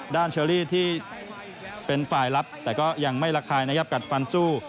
เชอรี่ที่เป็นฝ่ายลับแต่ก็ยังไม่ระคายนะครับกัดฟันสู้